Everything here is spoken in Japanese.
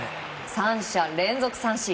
３者連続三振。